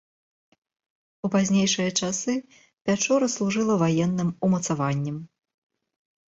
У пазнейшыя часы пячора служыла ваенным умацаваннем.